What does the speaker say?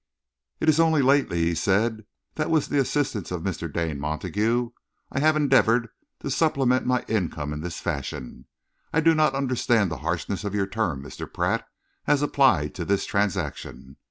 "It is only lately," he said, "that, with the assistance of Mr. Dane Montague, I have endeavoured to supplement my income in this fashion. I do not understand the harshness of your term, Mr. Pratt, as applied to this transaction.